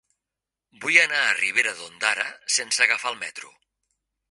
Vull anar a Ribera d'Ondara sense agafar el metro.